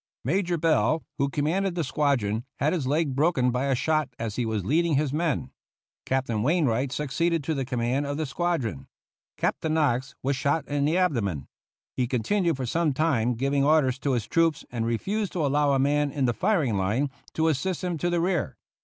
Major Bell, who commanded the squadron, had his leg broken by a shot as he was leading his men. Captain Wainwright succeeded to the command of the squadron. Captain Knox was shot in the abdomen. He continued for some time giving orders to his troops, and refused to allow a man in the firing line to assist him to the rear.